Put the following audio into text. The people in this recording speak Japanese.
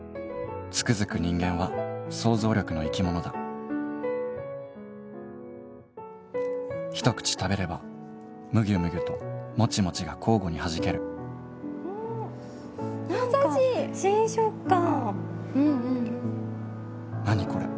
つくづく人間は想像力の生きものだ一口食べればむぎゅむぎゅともちもちが交互に弾けるなにこれ！